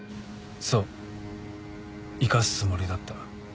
そう生かすつもりだった。